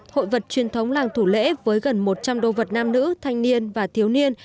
hội vật truyền thống làng thủ lễ với gần một trăm linh đô vật nam nữ thanh niên và thiếu niên